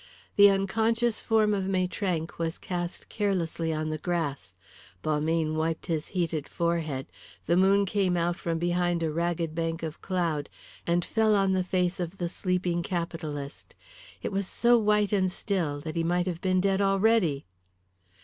The unconscious form of Maitrank was cast carelessly on the grass. Balmayne wiped his heated forehead. The moon came out from behind a ragged bank of cloud and fell on the face of the sleeping capitalist. It was so white and still that he might have been dead already.